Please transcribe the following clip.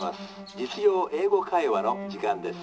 『実用英語会話』の時間です。